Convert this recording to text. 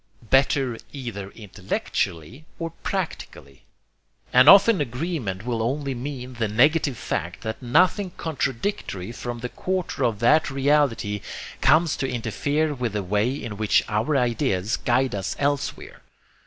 Better either intellectually or practically! And often agreement will only mean the negative fact that nothing contradictory from the quarter of that reality comes to interfere with the way in which our ideas guide us elsewhere.